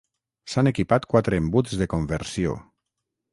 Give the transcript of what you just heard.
S'han equipat quatre embuts de conversió.